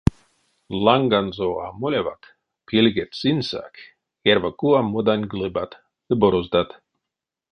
Ланганзо а молеват, пильгеть синдьсак: эрьва кува модань глыбат ды бороздат.